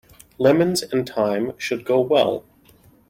Lemons and thyme should go well.